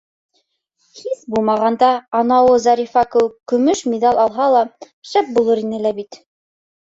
Һис булмағанда, анауы Зарифа кеүек, көмөш миҙал алһа ла, шәп булыр ине лә бит...